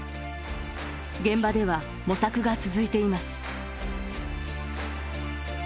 現場では模索が続いています。